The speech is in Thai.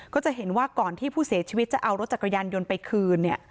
ก็จะเห็นว่าก่อนที่ผู้เสียชีวิตจะเอารถจักรยานยนต์ไปคืนเนี่ย